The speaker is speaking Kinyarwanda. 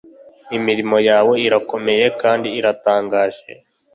imirimo yawe irakomeye kandi iratangaje.